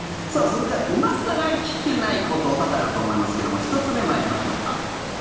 それでは今更聞けないこと多々あると思いますけども１つ目、参りましょうか。